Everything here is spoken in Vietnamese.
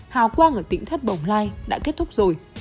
hào quang ở tỉnh thất bồng lai đã kết thúc rồi